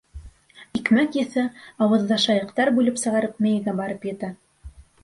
Икмәк еҫе, ауыҙҙа шайыҡтар бүлеп сығарып, мейегә барып етә.